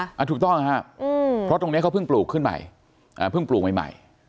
ถูกต้องครับอืมเพราะตรงเนี้ยเขาเพิ่งปลูกขึ้นใหม่อ่าเพิ่งปลูกใหม่ใหม่